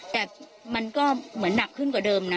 แต่มันก็เหมือนหนักขึ้นกว่าเดิมนะ